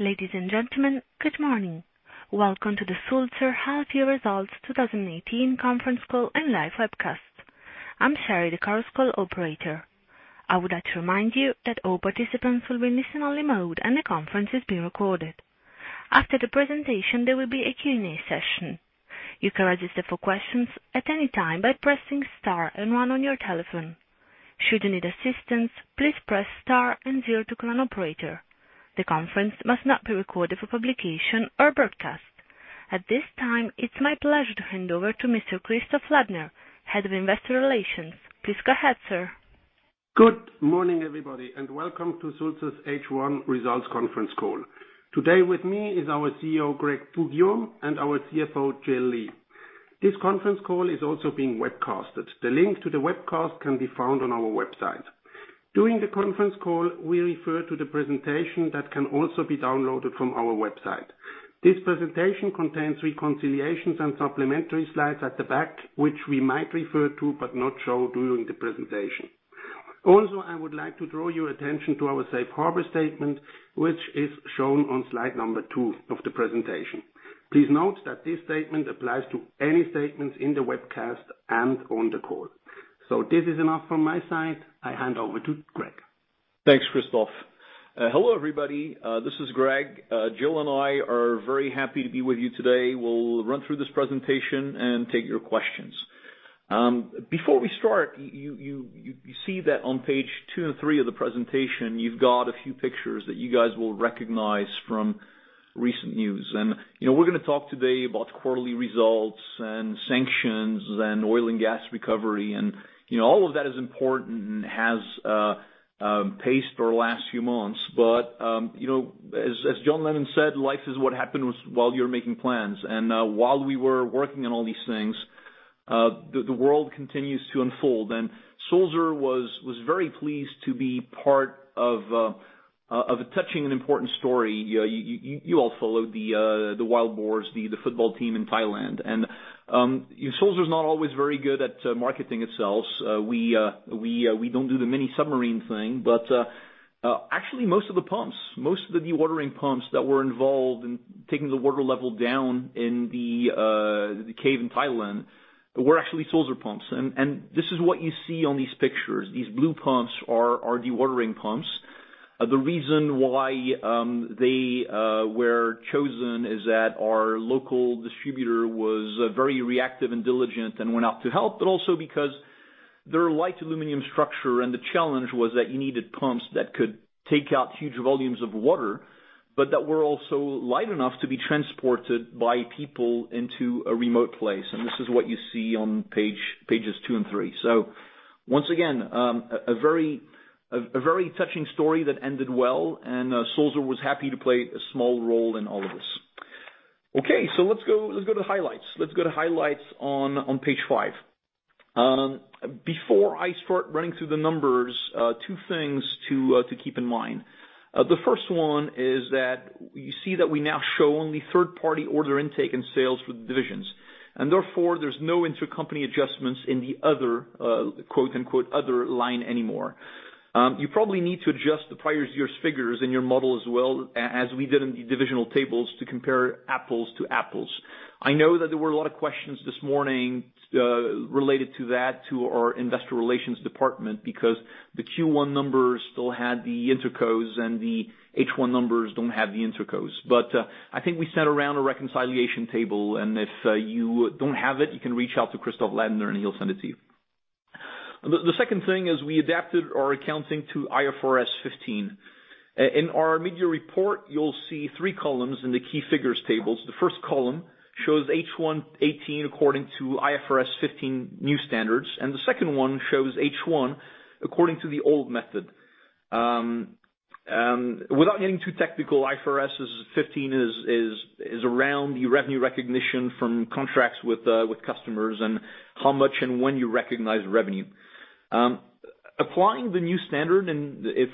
Ladies and gentlemen, good morning. Welcome to the Sulzer Half Year Results 2018 conference call and live webcast. I'm Sherry, the conference call operator. I would like to remind you that all participants will be in listen-only mode, and the conference is being recorded. After the presentation, there will be a Q&A session. You can register for questions at any time by pressing star 1 on your telephone. Should you need assistance, please press star 0 to connect to an operator. The conference must not be recorded for publication or broadcast. At this time, it's my pleasure to hand over to Mr. Christoph Ladner, Head of Investor Relations. Please go ahead, sir. Good morning, everybody, and welcome to Sulzer's H1 Results Conference Call. Today with me is our CEO, Greg Poux-Guillaume, and our CFO, Jill Lee. This conference call is also being webcasted. The link to the webcast can be found on our website. During the conference call, we refer to the presentation that can also be downloaded from our website. This presentation contains reconciliations and supplementary slides at the back, which we might refer to but not show during the presentation. I would like to draw your attention to our safe harbor statement, which is shown on slide number two of the presentation. Please note that this statement applies to any statements in the webcast and on the call. This is enough from my side. I hand over to Greg. Thanks, Christoph. Hello, everybody. This is Greg. Jill and I are very happy to be with you today. We'll run through this presentation and take your questions. Before we start, you see that on page two and three of the presentation, you've got a few pictures that you guys will recognize from recent news. We're going to talk today about quarterly results and sanctions and oil and gas recovery, and all of that is important and has paced our last few months. As John Lennon said, "Life is what happens while you're making plans." While we were working on all these things, the world continues to unfold. Sulzer was very pleased to be part of a touching and important story. You all followed the Wild Boars, the football team in Thailand. Sulzer is not always very good at marketing itself. We don't do the mini submarine thing, but actually, most of the dewatering pumps that were involved in taking the water level down in the cave in Thailand were actually Sulzer pumps. This is what you see on these pictures. These blue pumps are dewatering pumps. The reason why they were chosen is that our local distributor was very reactive and diligent and went out to help, but also because their light aluminum structure and the challenge was that you needed pumps that could take out huge volumes of water, but that were also light enough to be transported by people into a remote place. This is what you see on pages two and three. Once again, a very touching story that ended well, and Sulzer was happy to play a small role in all of this. Okay. Let's go to the highlights. Let's go to highlights on page five. Before I start running through the numbers, two things to keep in mind. The first one is that you see that we now show only third-party order intake and sales for the divisions. Therefore, there's no intercompany adjustments in the "other" line anymore. You probably need to adjust the prior year's figures in your model as well as we did in the divisional tables to compare apples to apples. I know that there were a lot of questions this morning related to that to our investor relations department because the Q1 numbers still had the intercos and the H1 numbers don't have the intercos. I think we sent around a reconciliation table, and if you don't have it, you can reach out to Christoph Ladner, and he'll send it to you. The second thing is we adapted our accounting to IFRS 15. In our mid-year report, you'll see three columns in the key figures tables. The first column shows H1 2018 according to IFRS 15 new standards, the second one shows H1 according to the old method. Without getting too technical, IFRS 15 is around the revenue recognition from contracts with customers and how much and when you recognize revenue. Applying the new standard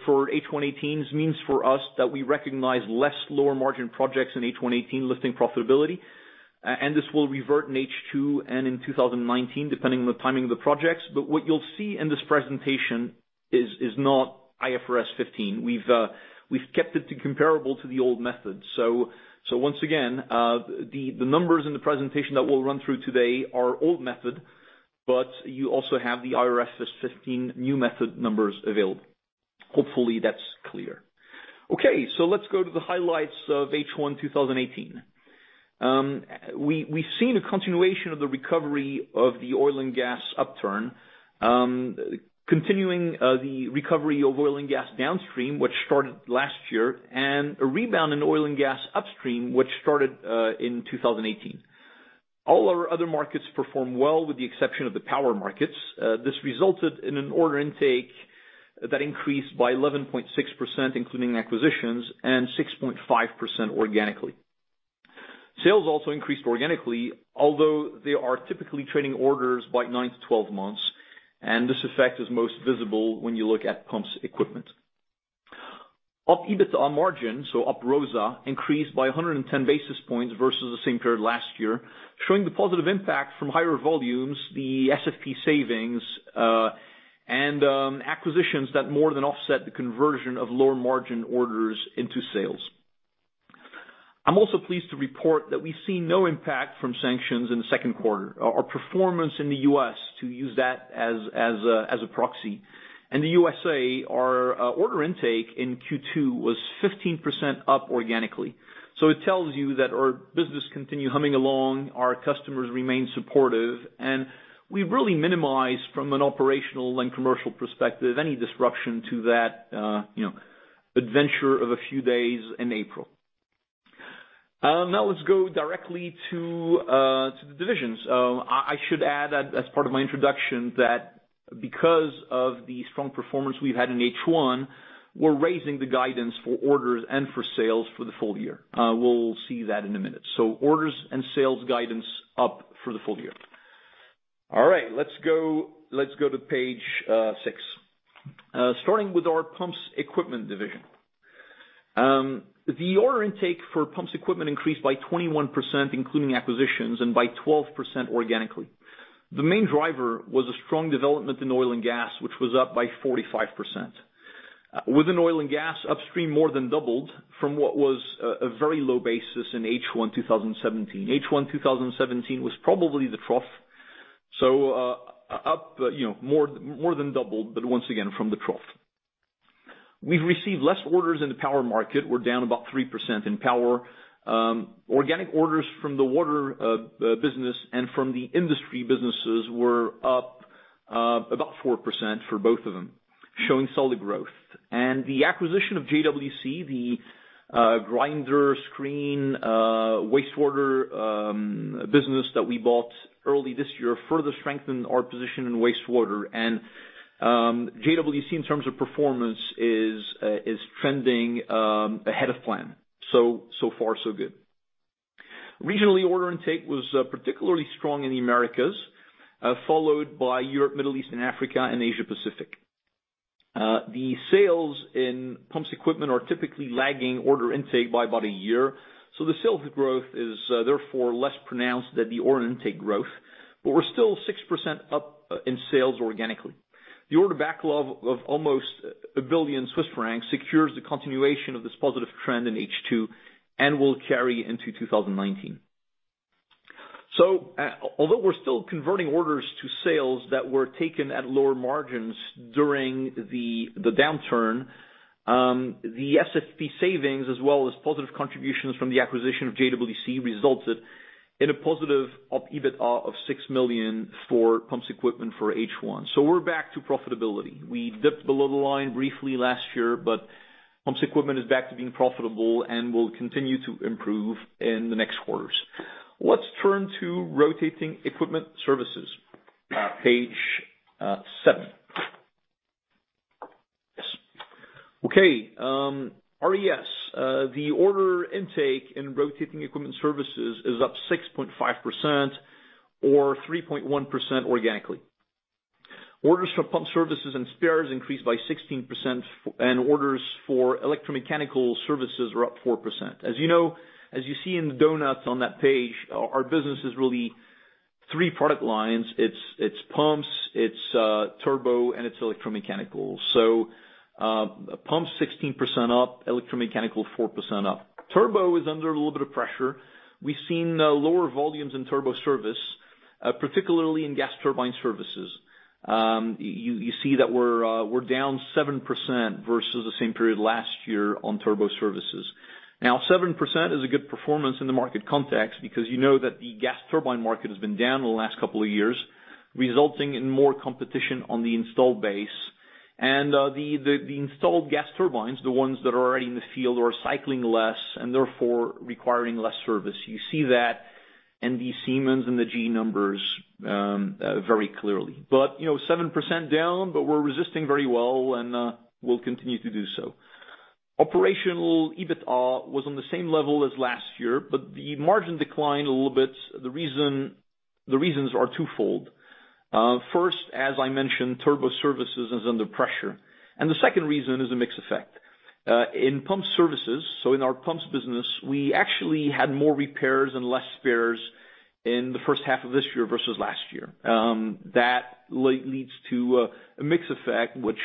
for H1 2018 means for us that we recognize less lower-margin projects in H1 2018, lifting profitability, and this will revert in H2 and in 2019, depending on the timing of the projects. What you'll see in this presentation is not IFRS 15. We've kept it comparable to the old method. Once again, the numbers in the presentation that we'll run through today are old method, you also have the IFRS 15 new method numbers available. Hopefully, that's clear. Let's go to the highlights of H1 2018. We've seen a continuation of the recovery of the oil and gas upturn, continuing the recovery of oil and gas downstream, which started last year, and a rebound in oil and gas upstream, which started in 2018. All our other markets performed well, with the exception of the power markets. This resulted in an order intake that increased by 11.6%, including acquisitions, and 6.5% organically. Sales also increased organically, although they are typically trailing orders by nine to 12 months, and this effect is most visible when you look at Pumps Equipment. opEBITA margin, so opROSA, increased by 110 basis points versus the same period last year, showing the positive impact from higher volumes, the SFP savings and acquisitions that more than offset the conversion of lower margin orders into sales. I'm also pleased to report that we see no impact from sanctions in the second quarter. Our performance in the U.S., to use that as a proxy. In the U.S.A., our order intake in Q2 was 15% up organically. It tells you that our business continue humming along, our customers remain supportive, and we've really minimized, from an operational and commercial perspective, any disruption to that adventure of a few days in April. Let's go directly to the divisions. I should add, as part of my introduction, that because of the strong performance we've had in H1, we're raising the guidance for orders and for sales for the full year. We'll see that in a minute. Orders and sales guidance up for the full year. All right. Let's go to page six. Starting with our Pumps Equipment division. The order intake for Pumps Equipment increased by 21%, including acquisitions, and by 12% organically. The main driver was a strong development in oil and gas, which was up by 45%. Within oil and gas, upstream more than doubled from what was a very low basis in H1 2017. H1 2017 was probably the trough, so up more than doubled, but once again, from the trough. We've received less orders in the power market. We're down about 3% in power. Organic orders from the water business and from the industry businesses were up about 4% for both of them, showing solid growth. The acquisition of JWC, the grinder screen wastewater business that we bought early this year, further strengthened our position in wastewater. JWC, in terms of performance, is trending ahead of plan. So far so good. Regionally, order intake was particularly strong in the Americas, followed by Europe, Middle East and Africa, and Asia Pacific. The sales in Pumps Equipment are typically lagging order intake by about a year, so the sales growth is therefore less pronounced than the order intake growth. But we're still 6% up in sales organically. The order backlog of almost 1 billion Swiss francs secures the continuation of this positive trend in H2 and will carry into 2019. Although we're still converting orders to sales that were taken at lower margins during the downturn, the SFP savings as well as positive contributions from the acquisition of JWC resulted in a positive EBITA of 6 million for Pumps Equipment for H1. We're back to profitability. We dipped below the line briefly last year, but Pumps Equipment is back to being profitable and will continue to improve in the next quarters. Let's turn to Rotating Equipment Services. Page seven. Okay. RES. The order intake in Rotating Equipment Services is up 6.5%, or 3.1% organically. Orders for pump services and spares increased by 16%, and orders for electromechanical services were up 4%. As you see in the donuts on that page, our business is really three product lines. It's pumps, it's turbo, and it's electromechanical. Pumps 16% up, electromechanical 4% up. turbo is under a little bit of pressure. We've seen lower volumes in turbo service, particularly in gas turbine services. You see that we're down 7% versus the same period last year on turbo services. 7% is a good performance in the market context because you know that the gas turbine market has been down over the last couple of years, resulting in more competition on the installed base. The installed gas turbines, the ones that are already in the field, are cycling less and therefore requiring less service. You see that in the Siemens and the GE numbers very clearly. 7% down, but we're resisting very well and will continue to do so. opEBITA was on the same level as last year, but the margin declined a little bit. The reasons are twofold. First, as I mentioned, turbo services is under pressure. The second reason is a mix effect. In pump services, so in our pumps business, we actually had more repairs and less spares in the first half of this year versus last year. That leads to a mix effect which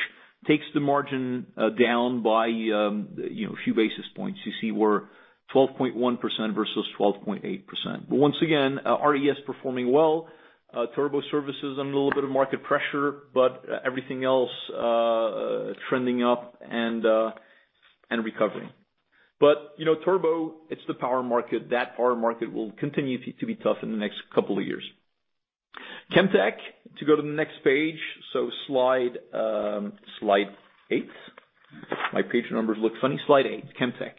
takes the margin down by a few basis points. You see we're 12.1% versus 11.8%. Once again, RES performing well. Turbo services under a little bit of market pressure, but everything else trending up and recovering. Turbo, it's the power market. The power market will continue to be tough in the next couple of years. Chemtech, to go to the next page, slide eight. My page numbers look funny. Slide eight, Chemtech.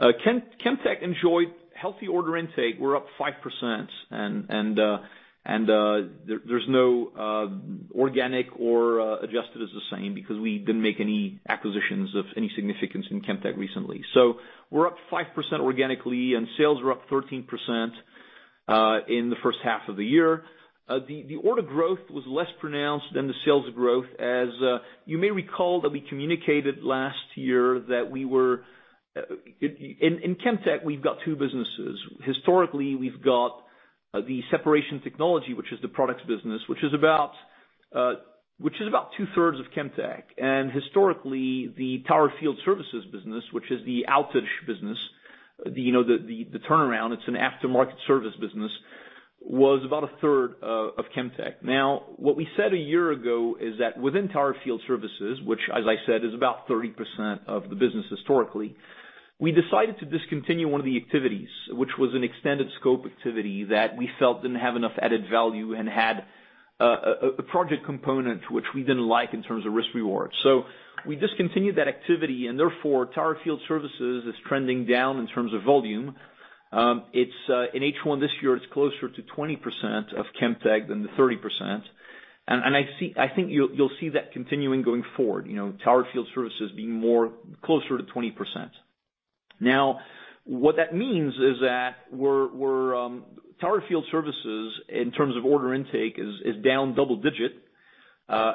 Chemtech enjoyed healthy order intake. We're up 5%, and there's no organic or adjusted as the same because we didn't make any acquisitions of any significance in Chemtech recently. We're up 5% organically, sales were up 13% in the first half of the year. The order growth was less pronounced than the sales growth as you may recall that we communicated last year that in Chemtech, we've got two businesses. Historically, we've got the separation technology, which is the products business, which is about two-thirds of Chemtech. Historically, the Tower Field Services business, which is the outage business, the turnaround, it's an aftermarket service business, was about a third of Chemtech. What we said a year ago is that within Tower Field Services, which as I said, is about 30% of the business historically, we decided to discontinue one of the activities. It was an extended scope activity that we felt didn't have enough added value and had a project component which we didn't like in terms of risk/reward. We discontinued that activity, therefore Tower Field Services is trending down in terms of volume. In H1 this year, it's closer to 20% of Chemtech than the 30%. I think you'll see that continuing going forward, Tower Field Services being more closer to 20%. What that means is that Tower Field Services, in terms of order intake, is down double digit.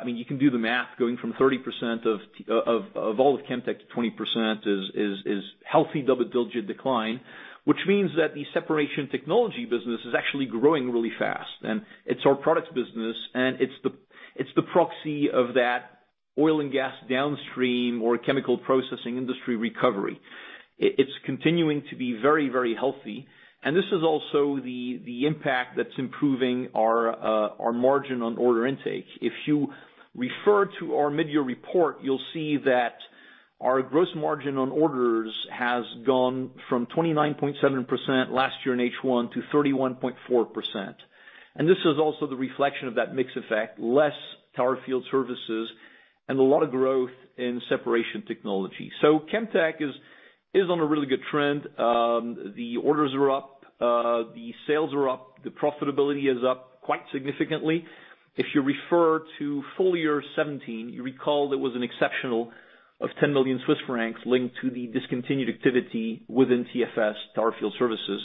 You can do the math going from 30% of all of Chemtech to 20% is healthy double-digit decline. The separation technology business is actually growing really fast, and it's our products business, and it's the proxy of that oil and gas downstream or chemical processing industry recovery. It's continuing to be very, very healthy. This is also the impact that's improving our margin on order intake. If you refer to our mid-year report, you'll see that our gross margin on orders has gone from 29.7% last year in H1 to 31.4%. This is also the reflection of that mix effect, less Tower Field Services and a lot of growth in separation technology. Chemtech is on a really good trend. The orders are up, the sales are up, the profitability is up quite significantly. If you refer to full year 2017, you recall there was an exceptional of 10 million Swiss francs linked to the discontinued activity within TFS, Tower Field Services.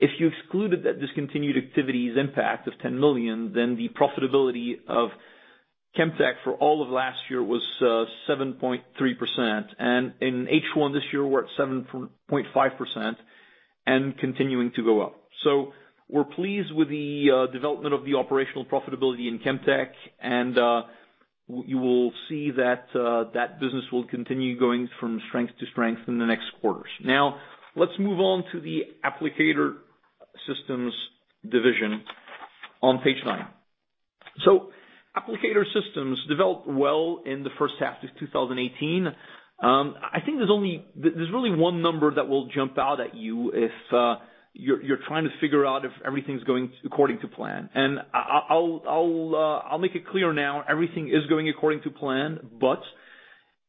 If you excluded that discontinued activity's impact of 10 million, the profitability of Chemtech for all of last year was 7.3%. In H1 this year, we're at 7.5% and continuing to go up. We're pleased with the development of the operational profitability in Chemtech. You will see that that business will continue going from strength to strength in the next quarters. Let's move on to the Applicator Systems division on page nine. Applicator Systems developed well in the first half of 2018. I think there's really one number that will jump out at you if you're trying to figure out if everything's going according to plan. I'll make it clear now, everything is going according to plan.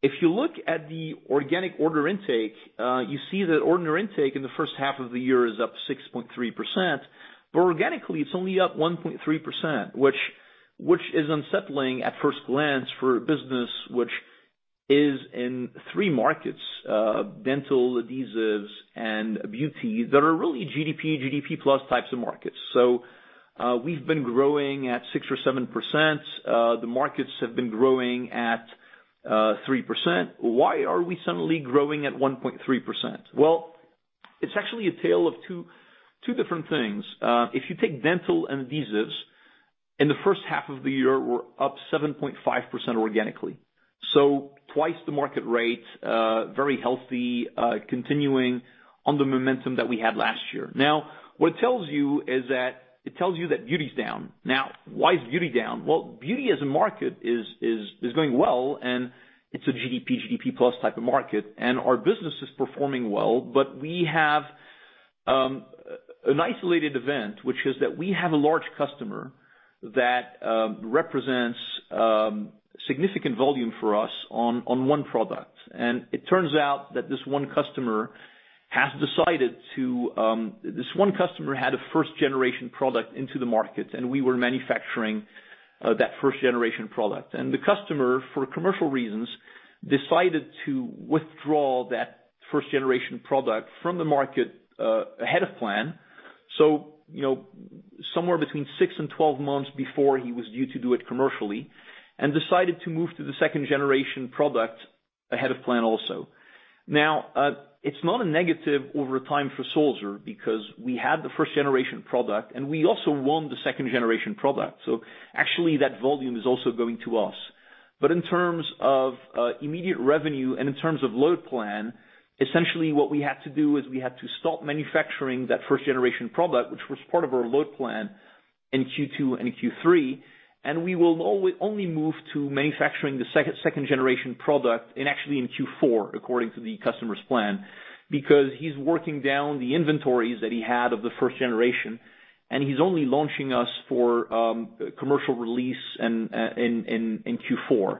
If you look at the organic order intake, you see that order intake in the first half of the year is up 6.3%. Organically, it's only up 1.3%, which is unsettling at first glance for a business which is in three markets, dental adhesives and beauty, that are really GDP plus types of markets. We've been growing at 6% or 7%. The markets have been growing at 3%. Why are we suddenly growing at 1.3%? It's actually a tale of two different things. If you take dental and adhesives, in the first half of the year, we're up 7.5% organically. Twice the market rate, very healthy, continuing on the momentum that we had last year. What it tells you is that it tells you that beauty is down. Why is beauty down? Beauty as a market is going well, and it's a GDP plus type of market, and our business is performing well. We have an isolated event, which is that we have a large customer that represents significant volume for us on one product. It turns out that this one customer had a first-generation product into the market. We were manufacturing that first-generation product. The customer, for commercial reasons, decided to withdraw that first-generation product from the market ahead of plan. Somewhere between six and 12 months before he was due to do it commercially, and decided to move to the second-generation product ahead of plan also. It's not a negative over time for Sulzer because we had the first-generation product, and we also won the second-generation product. Actually that volume is also going to us. In terms of immediate revenue and in terms of load plan, essentially what we had to do was we had to stop manufacturing that first-generation product, which was part of our load plan in Q2 and Q3. We will only move to manufacturing the second-generation product in actually in Q4, according to the customer's plan. He's working down the inventories that he had of the first generation, and he's only launching us for commercial release in Q4.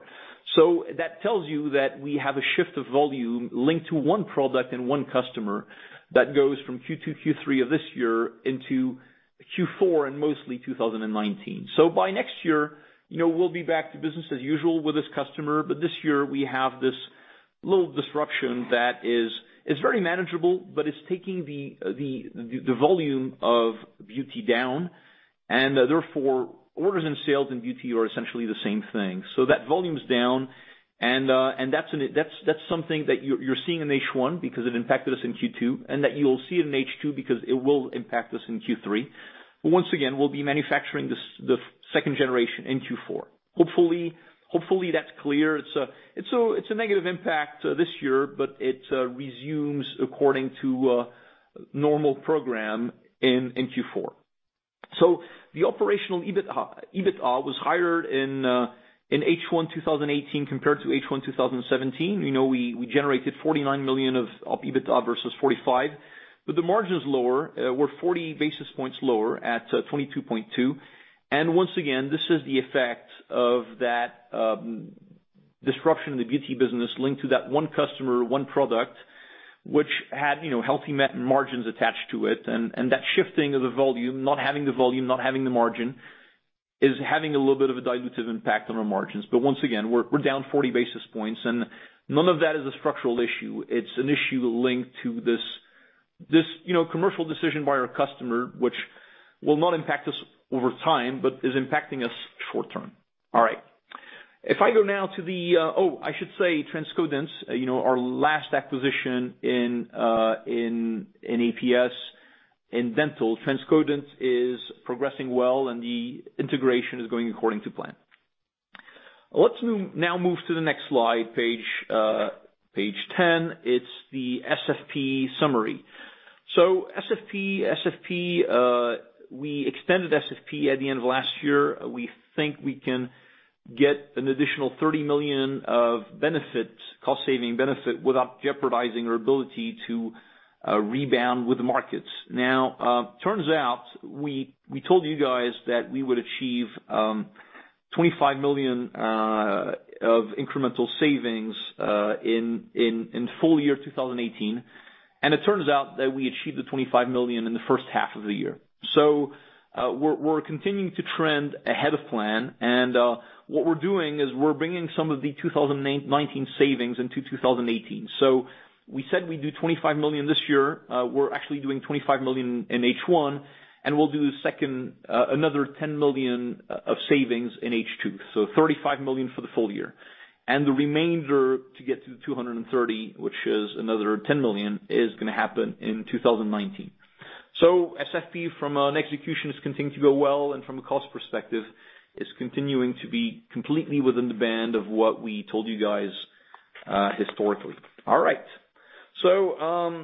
That tells you that we have a shift of volume linked to one product and one customer that goes from Q2, Q3 of this year into Q4 and mostly 2019. By next year, we'll be back to business as usual with this customer. This year, we have this little disruption that is very manageable, but it's taking the volume of beauty down. Therefore, orders and sales in beauty are essentially the same thing. That volume's down, and that's something that you're seeing in H1 because it impacted us in Q2, and that you'll see in H2 because it will impact us in Q3. Once again, we will be manufacturing the second generation in Q4. Hopefully, that is clear. It is a negative impact this year, but it resumes according to normal program in Q4. The operational EBITDA was higher in H1 2018 compared to H1 2017. We generated 49 million of EBITDA versus 45 million, but the margin is lower. We are 40 basis points lower at 22.2%. Once again, this is the effect of that disruption in the beauty business linked to that one customer, one product, which had healthy margins attached to it. That shifting of the volume, not having the volume, not having the margin, is having a little bit of a dilutive impact on our margins. Once again, we are down 40 basis points, and none of that is a structural issue. It is an issue linked to this commercial decision by our customer, which will not impact us over time but is impacting us short term. All right. If I go now to the. I should say Transcodent, our last acquisition in APS in dental. Transcodent is progressing well and the integration is going according to plan. Let us now move to the next slide, page 10. It is the SFP summary. SFP, we extended SFP at the end of last year. We think we can get an additional 30 million of cost-saving benefit without jeopardizing our ability to rebound with the markets. Turns out we told you guys that we would achieve 25 million of incremental savings in full year 2018. It turns out that we achieved the 25 million in the first half of the year. We are continuing to trend ahead of plan, and what we are doing is we are bringing some of the 2019 savings into 2018. We said we would do 25 million this year, we are actually doing 25 million in H1, and we will do another 10 million of savings in H2. 35 million for the full year. The remainder to get to the 230 million, which is another 10 million, is going to happen in 2019. SFP from an execution is continuing to go well, and from a cost perspective, is continuing to be completely within the band of what we told you guys historically. All right. The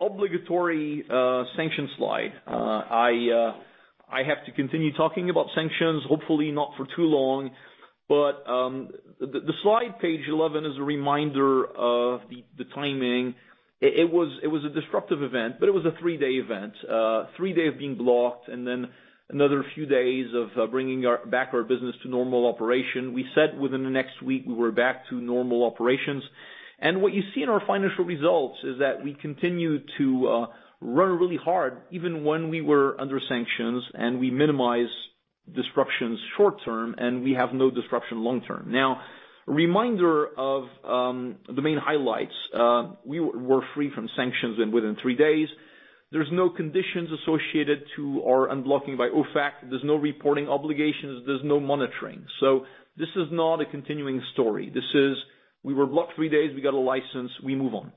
obligatory sanction slide. I have to continue talking about sanctions, hopefully not for too long. The slide, page 11, is a reminder of the timing. It was a disruptive event, but it was a three-day event. Three days of being blocked and then another few days of bringing back our business to normal operation. We said within the next week we were back to normal operations. What you see in our financial results is that we continued to run really hard even when we were under sanctions, and we minimized disruptions short term, and we have no disruption long term. Reminder of the main highlights. We were free from sanctions within three days. There is no conditions associated to our unblocking by OFAC. There is no reporting obligations, there is no monitoring. This is not a continuing story. This is, we were blocked three days, we got a license, we move on.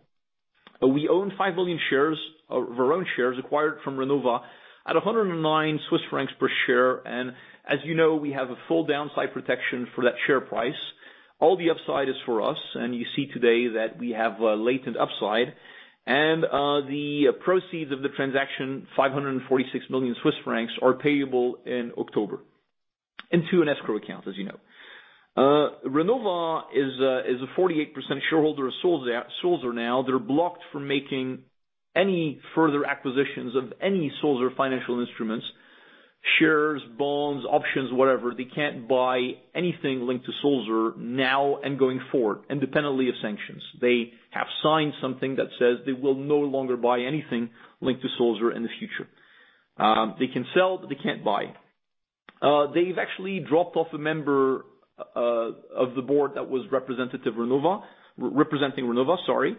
We own 5 million shares of our own shares acquired from Renova at 109 Swiss francs per share. As you know, we have a full downside protection for that share price. All the upside is for us, you see today that we have a latent upside. The proceeds of the transaction, 546 million Swiss francs, are payable in October into an escrow account, as you know. Renova is a 48% shareholder of Sulzer now. They are blocked from making any further acquisitions of any Sulzer financial instruments, shares, bonds, options, whatever. They cannot buy anything linked to Sulzer now and going forward, independently of sanctions. They have signed something that says they will no longer buy anything linked to Sulzer in the future. They can sell, but they cannot buy. They have actually dropped off a member of the board that was representing Renova, sorry.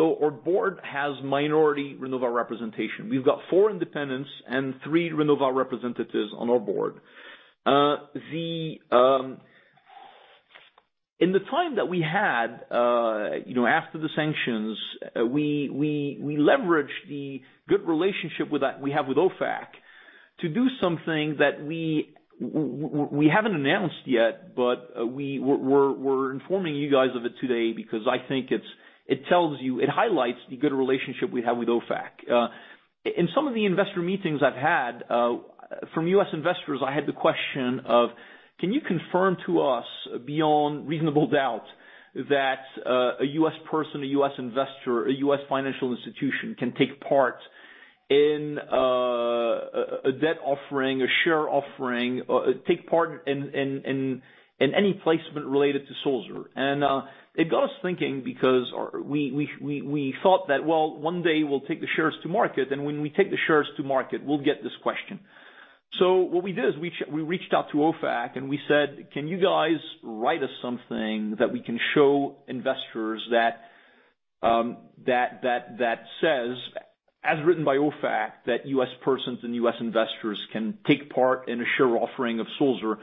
Our board has minority Renova representation. We have got four independents and three Renova representatives on our board. In the time that we had after the sanctions, we leveraged the good relationship we have with OFAC to do something that we have not announced yet, but we are informing you guys of it today because I think it highlights the good relationship we have with OFAC. In some of the investor meetings I have had, from U.S. investors, I had the question of, "Can you confirm to us, beyond reasonable doubt, that a U.S. person, a U.S. investor, a U.S. financial institution, can take part in a debt offering, a share offering, take part in any placement related to Sulzer?" It got us thinking because we thought that, well, one day we will take the shares to market, and when we take the shares to market, we will get this question. What we did is we reached out to OFAC and we said, "Can you guys write us something that we can show investors that says, as written by OFAC, that U.S. persons and U.S. investors can take part in a share offering of Sulzer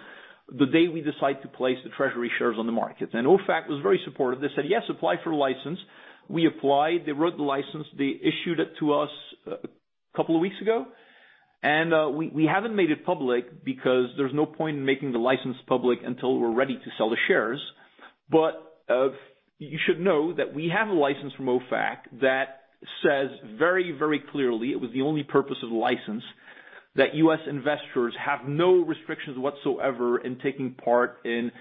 the day we decide to place the treasury shares on the market." OFAC was very supportive. They said, "Yes, apply for a license." We applied, they wrote the license. They issued it to us a couple of weeks ago. We have not made it public because there is no point in making the license public until we are ready to sell the shares. You should know that we have a license from OFAC that says very clearly, it was the only purpose of the license, that U.S. investors have no restrictions whatsoever in taking part in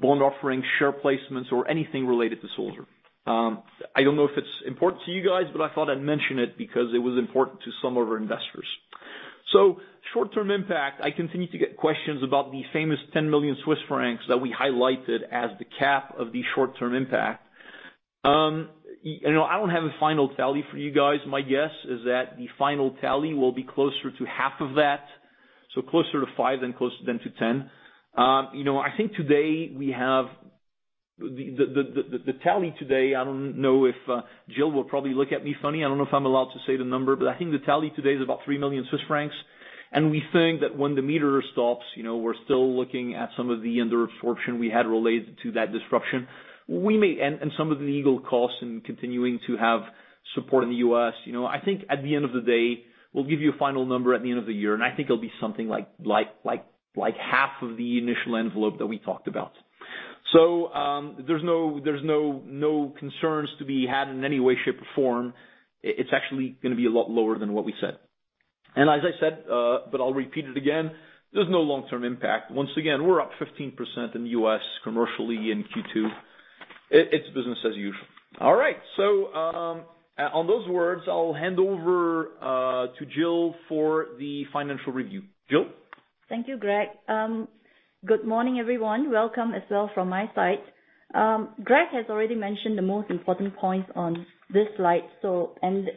bond offerings, share placements, or anything related to Sulzer. I do not know if it is important to you guys, but I thought I would mention it because it was important to some of our investors. Short-term impact, I continue to get questions about the famous 10 million Swiss francs that we highlighted as the cap of the short-term impact. I do not have a final tally for you guys. My guess is that the final tally will be closer to half of that, so closer to five than to 10. The tally today, Jill will probably look at me funny, I don't know if I'm allowed to say the number, but I think the tally today is about 3 million Swiss francs. We think that when the meter stops, we're still looking at some of the under-absorption we had related to that disruption. Some of the legal costs in continuing to have support in the U.S. At the end of the day, we'll give you a final number at the end of the year, and it'll be something like half of the initial envelope that we talked about. There's no concerns to be had in any way, shape, or form. It's actually going to be a lot lower than what we said. As I said, I'll repeat it again, there's no long-term impact. Once again, we're up 15% in the U.S. commercially in Q2. It's business as usual. All right. On those words, I'll hand over to Jill for the financial review. Jill? Thank you, Greg. Good morning, everyone. Welcome as well from my side. Greg has already mentioned the most important points on this slide.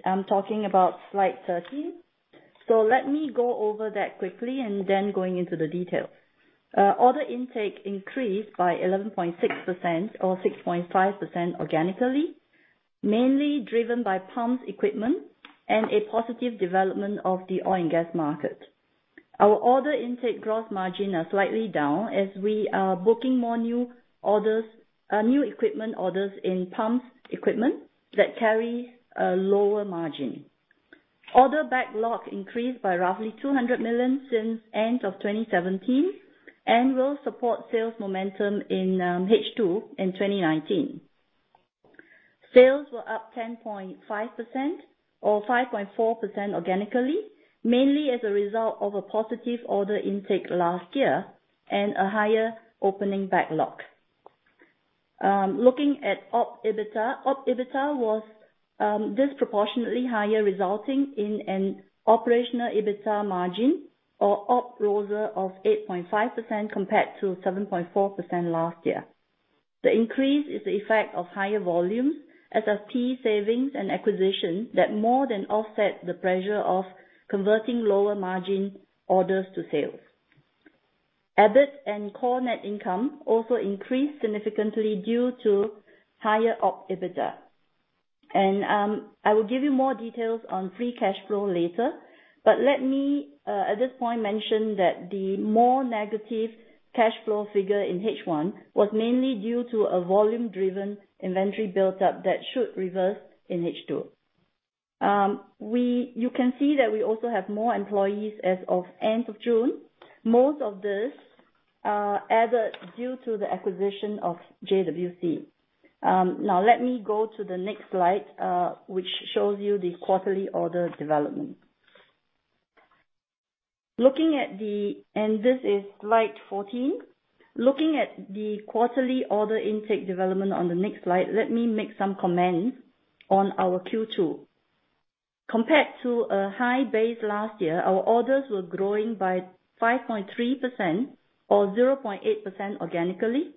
I'm talking about slide 13. Let me go over that quickly, and then going into the details. Order intake increased by 11.6%, or 6.5% organically, mainly driven by Pumps Equipment and a positive development of the oil and gas market. Our order intake gross margin are slightly down as we are booking more new equipment orders in Pumps Equipment that carry a lower margin. Order backlog increased by roughly 200 million since end of 2017 and will support sales momentum in H2 in 2019. Sales were up 10.5%, or 5.4% organically, mainly as a result of a positive order intake last year and a higher opening backlog. Looking at opEBITDA. opEBITDA was disproportionately higher, resulting in an operational EBITA margin or opROSA of 8.5% compared to 7.4% last year. The increase is the effect of higher volumes as of key savings and acquisition that more than offset the pressure of converting lower margin orders to sales. EBIT and core net income also increased significantly due to higher opEBITDA. I will give you more details on free cash flow later. Let me, at this point, mention that the more negative cash flow figure in H1 was mainly due to a volume-driven inventory buildup that should reverse in H2. You can see that we also have more employees as of end of June. Most of this added due to the acquisition of JWC. Let me go to the next slide, which shows you the quarterly order development. This is slide 14. Looking at the quarterly order intake development on the next slide, let me make some comments on our Q2. Compared to a high base last year, our orders were growing by 5.3%, or 0.8% organically.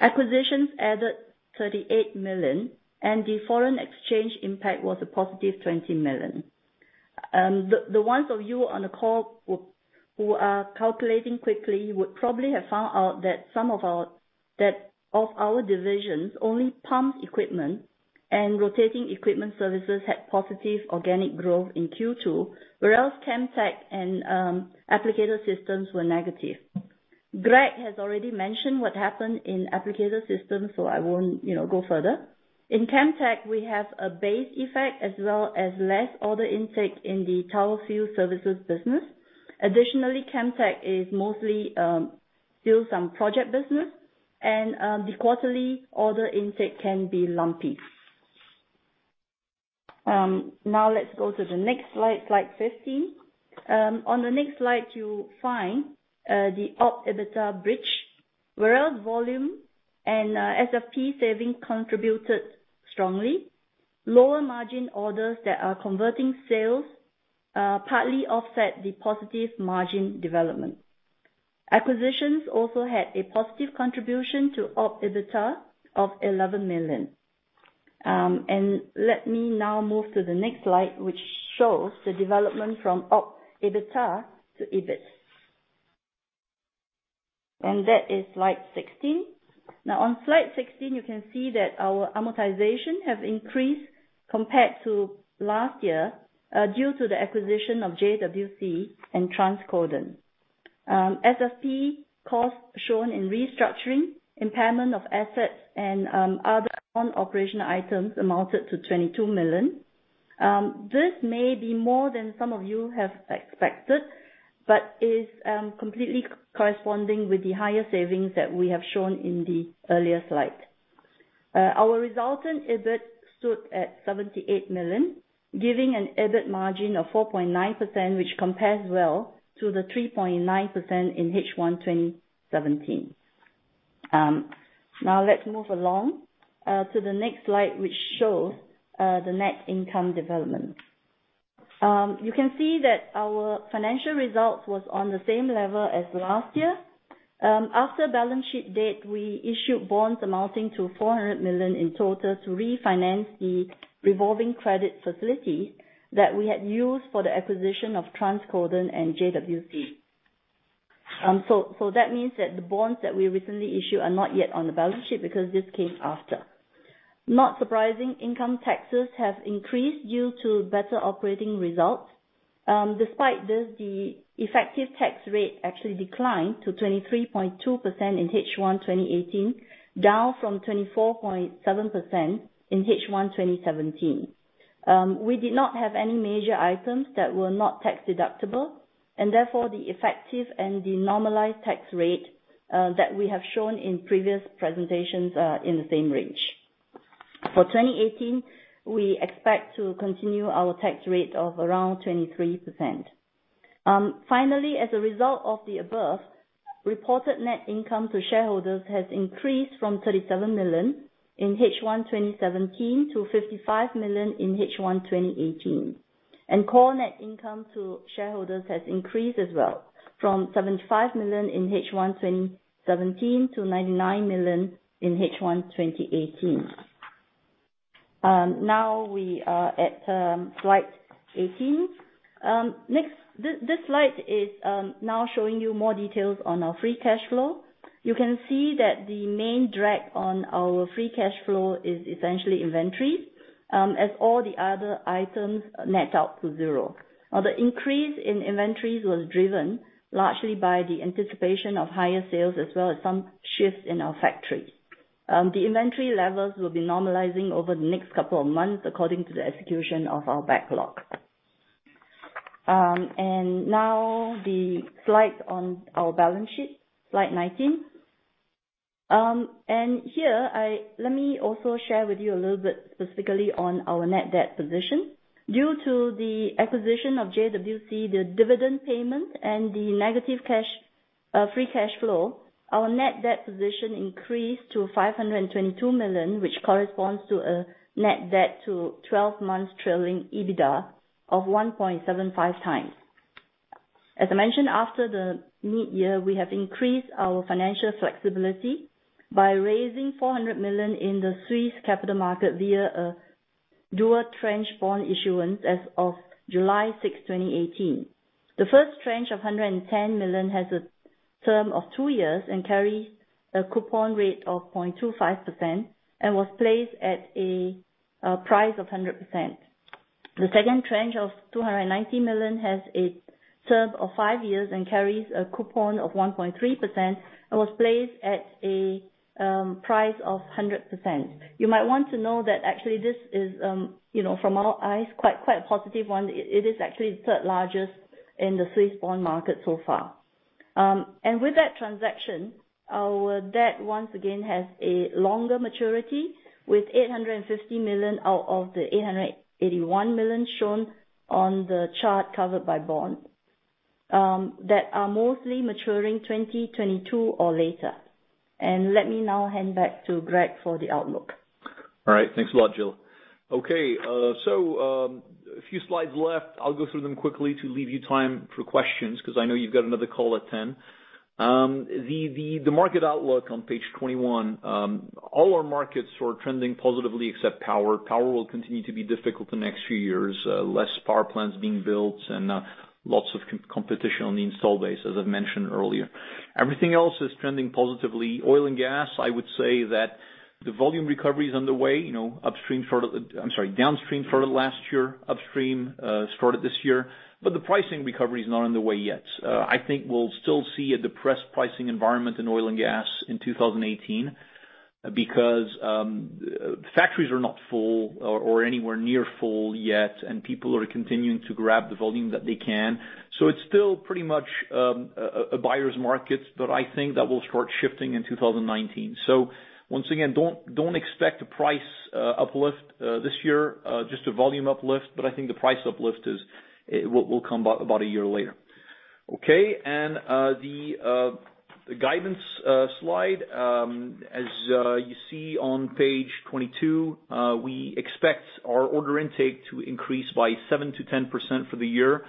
Acquisitions added 38 million, and the foreign exchange impact was a positive 20 million. The ones of you on the call who are calculating quickly would probably have found out that of our divisions, only Pumps Equipment and Rotating Equipment Services had positive organic growth in Q2, whereas Chemtech and Applicator Systems were negative. Greg has already mentioned what happened in Applicator Systems, so I won't go further. In Chemtech, we have a base effect as well as less order intake in the Tower Field Services business. Additionally, Chemtech is mostly still some project business and the quarterly order intake can be lumpy. Now let's go to the next slide 15. On the next slide, you find the opEBITDA bridge, where volume and SFP savings contributed strongly. Lower margin orders that are converting sales partly offset the positive margin development. Acquisitions also had a positive contribution to opEBITDA of 11 million. Let me now move to the next slide, which shows the development from opEBITDA to EBIT. That is slide 16. On slide 16, you can see that our amortization has increased compared to last year due to the acquisition of JWC and Transcodent. SFP costs shown in restructuring, impairment of assets and other non-operational items amounted to 22 million. This may be more than some of you have expected, but is completely corresponding with the higher savings that we have shown in the earlier slide. Our resultant EBIT stood at 78 million, giving an EBIT margin of 4.9%, which compares well to the 3.9% in H1 2017. Let's move along to the next slide, which shows the net income development. You can see that our financial results was on the same level as last year. After balance sheet date, we issued bonds amounting to 400 million in total to refinance the revolving credit facility that we had used for the acquisition of Transcodent and JWC. That means that the bonds that we recently issued are not yet on the balance sheet because this came after. Not surprising, income taxes have increased due to better operating results. Despite this, the effective tax rate actually declined to 23.2% in H1 2018, down from 24.7% in H1 2017. We did not have any major items that were not tax deductible, and therefore the effective and the normalized tax rate that we have shown in previous presentations are in the same range. For 2018, we expect to continue our tax rate of around 23%. Finally, as a result of the above, reported net income to shareholders has increased from 37 million in H1 2017 to 55 million in H1 2018. Core net income to shareholders has increased as well from 75 million in H1 2017 to 99 million in H1 2018. Now we are at slide 18. This slide is now showing you more details on our free cash flow. You can see that the main drag on our free cash flow is essentially inventory, as all the other items net out to zero. The increase in inventories was driven largely by the anticipation of higher sales as well as some shifts in our factory. The inventory levels will be normalizing over the next couple of months according to the execution of our backlog. The slides on our balance sheet, slide nineteen. Here, let me also share with you a little bit specifically on our net debt position. Due to the acquisition of JWC, the dividend payment, and the negative free cash flow, our net debt position increased to 522 million, which corresponds to a net debt to 12 months trailing EBITDA of 1.75 times. As I mentioned, after the mid-year, we have increased our financial flexibility by raising 400 million in the Swiss capital market via a dual tranche bond issuance as of July 6, 2018. The first tranche of 110 million has a term of two years and carries a coupon rate of 0.25% and was placed at a price of 100%. The second tranche of 290 million has a term of five years and carries a coupon of 1.3% and was placed at a price of 100%. You might want to know that actually this is, from our eyes, quite a positive one. It is actually the third largest in the Swiss bond market so far. With that transaction, our debt once again has a longer maturity with 850 million out of the 881 million shown on the chart covered by bond, that are mostly maturing 2022 or later. Let me now hand back to Greg for the outlook. All right. Thanks a lot, Jill. A few slides left. I'll go through them quickly to leave you time for questions because I know you've got another call at 10:00 A.M. The market outlook on page 21. All our markets are trending positively except power. Power will continue to be difficult the next few years. Less power plants being built and lots of competition on the install base, as I've mentioned earlier. Everything else is trending positively. Oil and gas, I would say that the volume recovery is underway. Downstream for the last year, upstream started this year, but the pricing recovery is not on the way yet. I think we'll still see a depressed pricing environment in oil and gas in 2018 because factories are not full or anywhere near full yet, and people are continuing to grab the volume that they can. It's still pretty much a buyer's market, but I think that will start shifting in 2019. Once again, don't expect a price uplift this year, just a volume uplift, but I think the price uplift will come about a year later. The guidance slide, as you see on page 22, we expect our order intake to increase by 7%-10% for the year,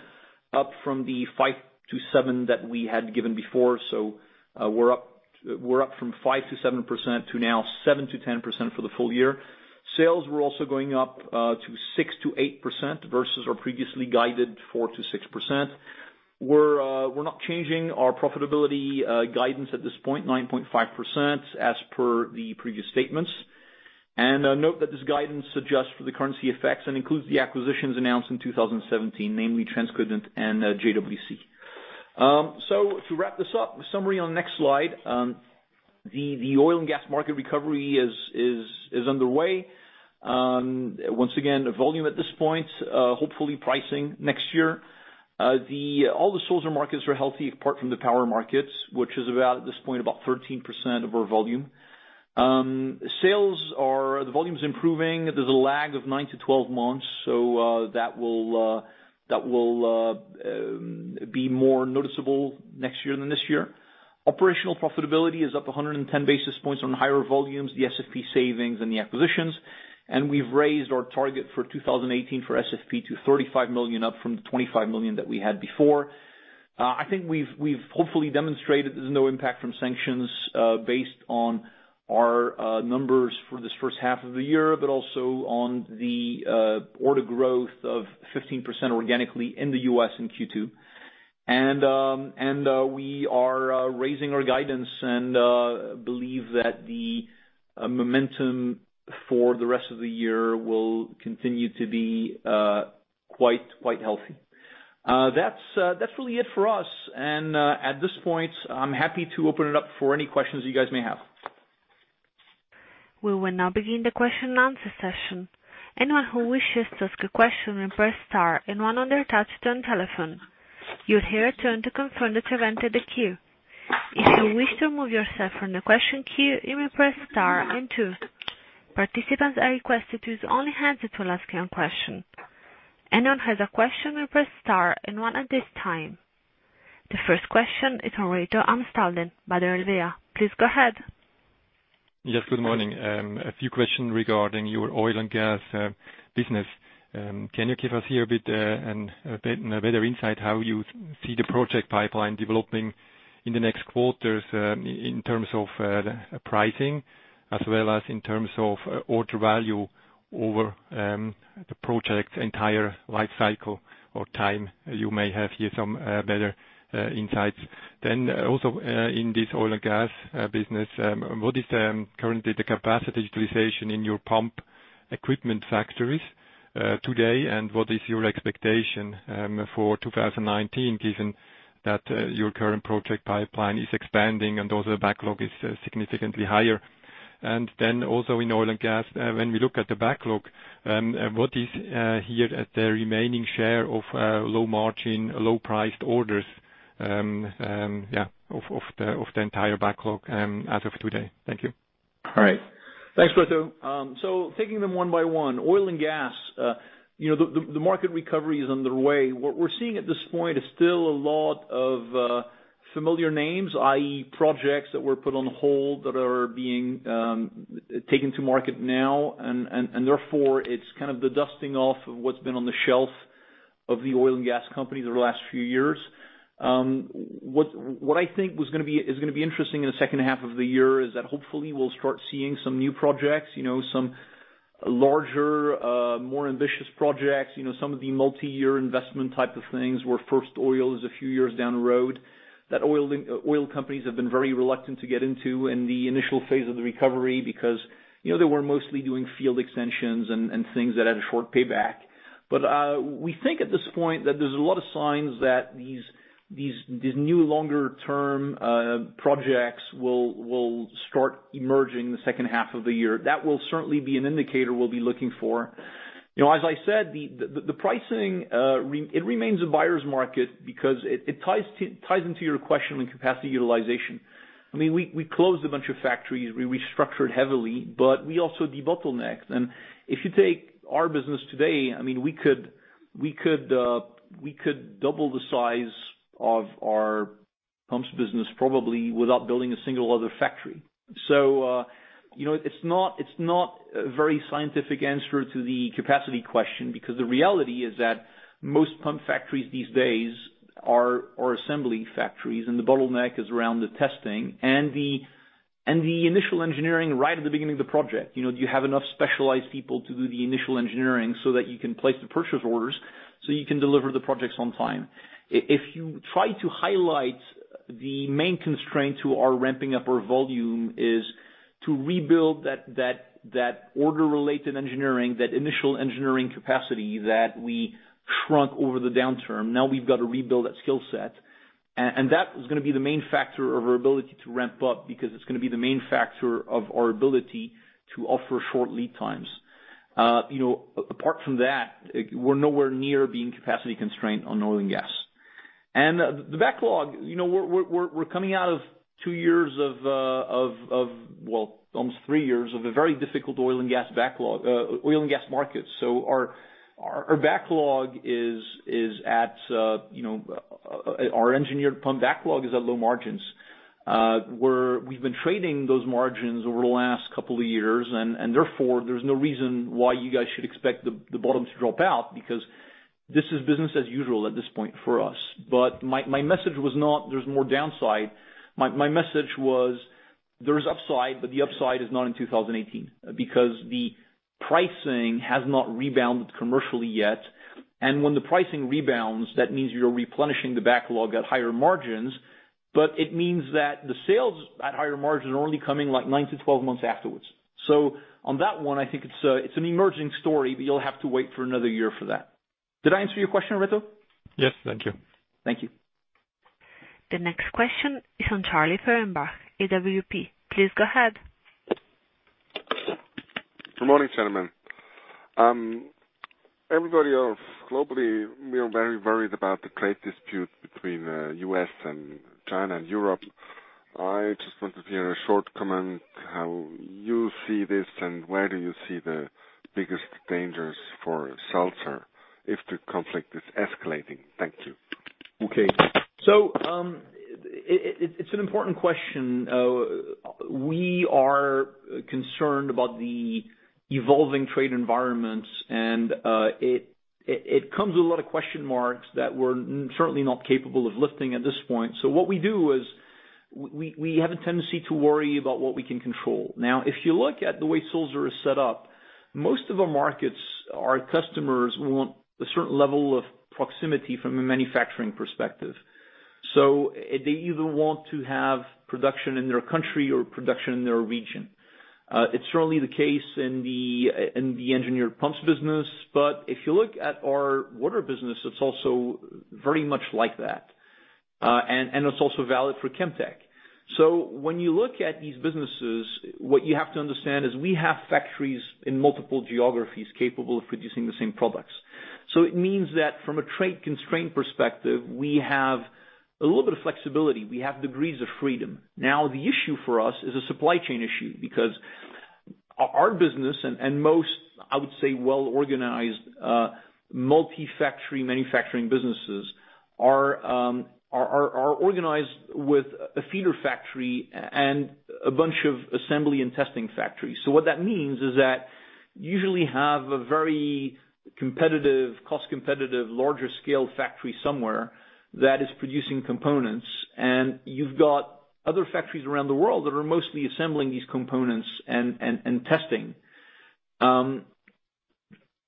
up from the 5%-7% that we had given before. We're up from 5%-7% to now 7%-10% for the full year. Sales were also going up to 6%-8% versus our previously guided 4%-6%. We're not changing our profitability guidance at this point, 9.5% as per the previous statements. Note that this guidance adjusts for the currency effects and includes the acquisitions announced in 2017, namely Transcodent and JWC. The summary on the next slide. The oil and gas market recovery is underway. Once again, the volume at this point, hopefully pricing next year. All the Sulzer markets are healthy apart from the power markets, which is about, at this point, about 13% of our volume. Sales are, the volume's improving. There's a lag of nine to 12 months, so that will be more noticeable next year than this year. Operational profitability is up 110 basis points on higher volumes, the SFP savings, and the acquisitions. We've raised our target for 2018 for SFP to 35 million up from the 25 million that we had before. I think we've hopefully demonstrated there's no impact from sanctions based on our numbers for this first half of the year, but also on the order growth of 15% organically in the U.S. in Q2. We are raising our guidance and believe that the momentum for the rest of the year will continue to be quite healthy. That's really it for us. At this point, I'm happy to open it up for any questions you guys may have. We will now begin the question and answer session. Anyone who wishes to ask a question may press star and one on their touchtone telephone. You will hear a tone to confirm that you entered the queue. If you wish to remove yourself from the question queue, you may press star and two. Participants are requested to use only handsets to ask your question. Anyone has a question may press star and one at this time. The first question is from Reto Amstutz by the RWE. Please go ahead. Yes, good morning. A few questions regarding your oil and gas business. Can you give us here a bit and a better insight how you see the project pipeline developing in the next quarters in terms of pricing as well as in terms of order value over the project's entire life cycle or time? You may have here some better insights. Also in this oil and gas business, what is currently the capacity utilization in your Pumps Equipment factories today, and what is your expectation for 2019, given that your current project pipeline is expanding and also the backlog is significantly higher? Also in oil and gas, when we look at the backlog, what is here at the remaining share of low margin, low priced orders of the entire backlog as of today? Thank you. All right. Thanks, Reto. Taking them one by one. Oil and gas, the market recovery is underway. What we're seeing at this point is still a lot of familiar names, i.e., projects that were put on hold that are being taken to market now, and therefore, it's kind of the dusting off of what's been on the shelf of the oil and gas companies over the last few years. What I think is going to be interesting in the second half of the year is that hopefully we'll start seeing some new projects, some larger, more ambitious projects, some of the multi-year investment type of things where first oil is a few years down the road that oil companies have been very reluctant to get into in the initial phase of the recovery because they were mostly doing field extensions and things that had a short payback. We think at this point that there's a lot of signs that these new longer-term projects will start emerging in the second half of the year. That will certainly be an indicator we'll be looking for. As I said, the pricing it remains a buyer's market because it ties into your question on capacity utilization. We closed a bunch of factories, we restructured heavily, but we also debottlenecked. If you take our business today, we could double the size of our Pumps Equipment business probably without building a single other factory. It's not a very scientific answer to the capacity question because the reality is that most pump factories these days are assembly factories, and the bottleneck is around the testing and the initial engineering right at the beginning of the project. Do you have enough specialized people to do the initial engineering so that you can place the purchase orders so you can deliver the projects on time? If you try to highlight the main constraint to our ramping up our volume is to rebuild that order-related engineering, that initial engineering capacity that we shrunk over the downturn. Now we've got to rebuild that skill set, and that is going to be the main factor of our ability to ramp up because it's going to be the main factor of our ability to offer short lead times. Apart from that, we're nowhere near being capacity constrained on oil and gas. The backlog, we're coming out of two years of, well, almost three years of a very difficult oil and gas backlog, oil and gas market. Our engineered pump backlog is at low margins. We've been trading those margins over the last couple of years, and therefore, there's no reason why you guys should expect the bottom to drop out because this is business as usual at this point for us. My message was not there's more downside. My message was there's upside, but the upside is not in 2018, because the pricing has not rebounded commercially yet. When the pricing rebounds, that means you're replenishing the backlog at higher margins, but it means that the sales at higher margins are only coming nine to 12 months afterwards. On that one, I think it's an emerging story, but you'll have to wait for another year for that. Did I answer your question, Reto? Yes. Thank you. Thank you. The next question is from Charlie Feuerbach, AWP. Please go ahead. Good morning, gentlemen. Everybody else globally, we are very worried about the trade dispute between U.S. and China and Europe. I just want to hear a short comment how you see this, and where do you see the biggest dangers for Sulzer if the conflict is escalating. Thank you. Okay. It's an important question. We are concerned about the evolving trade environments, and it comes with a lot of question marks that we're certainly not capable of lifting at this point. What we do is we have a tendency to worry about what we can control. Now, if you look at the way Sulzer is set up, most of our markets, our customers want a certain level of proximity from a manufacturing perspective. They either want to have production in their country or production in their region. It's certainly the case in the engineered pumps business. If you look at our water business, it's also very much like that. It's also valid for Chemtech. When you look at these businesses, what you have to understand is we have factories in multiple geographies capable of producing the same products. It means that from a trade constraint perspective, we have a little bit of flexibility. We have degrees of freedom. Now, the issue for us is a supply chain issue, because our business and most, I would say, well-organized multi-factory manufacturing businesses are organized with a feeder factory and a bunch of assembly and testing factories. What that means is that usually have a very cost competitive, larger scale factory somewhere that is producing components, and you've got other factories around the world that are mostly assembling these components and testing.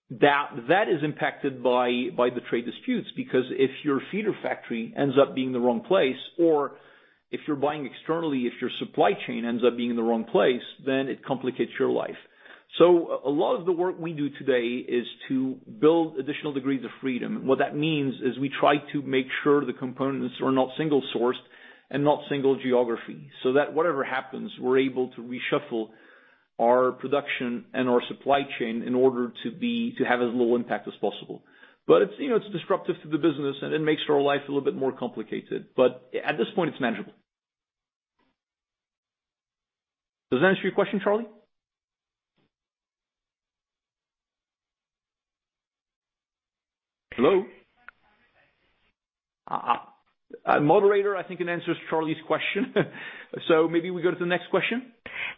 That is impacted by the trade disputes because if your feeder factory ends up being in the wrong place, or if you're buying externally, if your supply chain ends up being in the wrong place, then it complicates your life. A lot of the work we do today is to build additional degrees of freedom. What that means is we try to make sure the components are not single-sourced and not single geography, so that whatever happens, we're able to reshuffle our production and our supply chain in order to have as little impact as possible. It's disruptive to the business, and it makes our life a little bit more complicated. At this point, it's manageable. Does that answer your question, Charlie? Hello? Moderator, I think it answers Charlie's question. Maybe we go to the next question.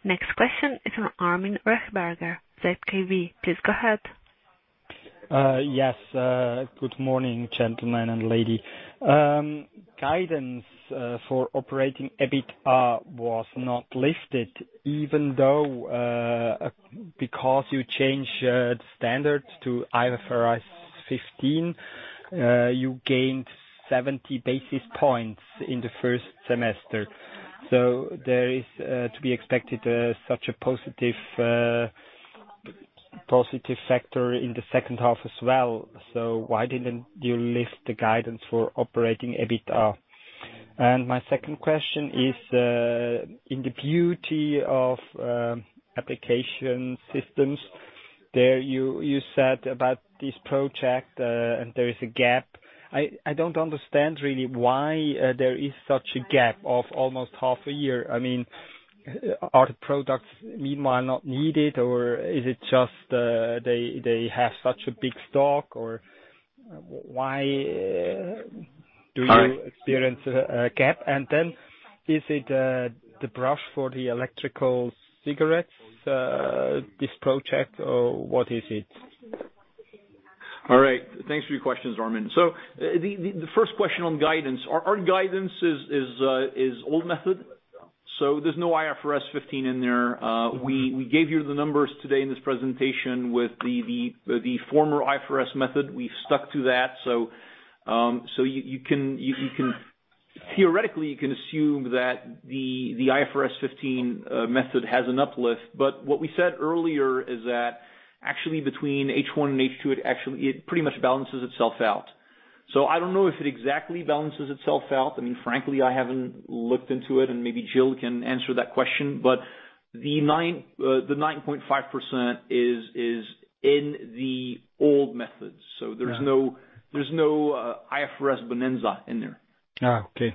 Next question is from Armin Rechberger, ZKB. Please go ahead. Yes. Good morning, gentlemen and lady. Guidance for operating EBITDA was not listed even though because you changed standards to IFRS 15, you gained 70 basis points in the first semester. There is to be expected such a positive factor in the second half as well. Why didn't you lift the guidance for operating EBITDA? My second question is, in the beauty of Applicator Systems, there you said about this project, and there is a gap. I don't understand really why there is such a gap of almost half a year. Are the products meanwhile not needed, or is it just they have such a big stock, or All right Do you experience a gap? Then is it the brush for the electrical cigarettes, this project, or what is it? All right. Thanks for your questions, Armin. The first question on guidance. Our guidance is old method, there's no IFRS 15 in there. We gave you the numbers today in this presentation with the former IFRS method. We've stuck to that. Theoretically, you can assume that the IFRS 15 method has an uplift. What we said earlier is that actually between H1 and H2, it pretty much balances itself out. I don't know if it exactly balances itself out. Frankly, I haven't looked into it, and maybe Jill can answer that question. The 9.5% is in the old methods. There's no IFRS bonanza in there. Okay.